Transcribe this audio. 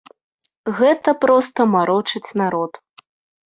Гэта проста марочаць народ.